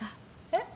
えっ？